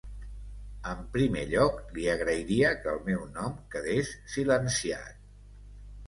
En primer lloc, li agrairia que el meu nom quedés silenciat.